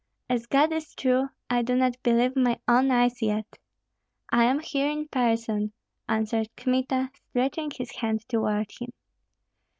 As God is true, I do not believe my own eyes yet." "I am here in person," answered Kmita, stretching his hand toward him.